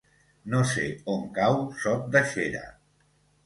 No sé on cau Sot de Xera.